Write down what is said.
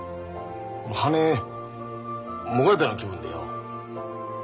羽もがれたような気分でよ。